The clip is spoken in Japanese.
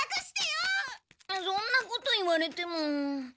そんなこと言われても。